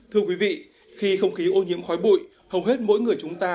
thưa quý vị khi không khí ô nhiễm khói bụi hầu hết mỗi người chúng ta